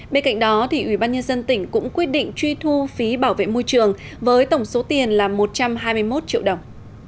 bên cạnh đó ubnd tỉnh cũng quyết định truy thu phí bảo vệ môi trường với tổng số tiền là một trăm hai mươi một triệu đồng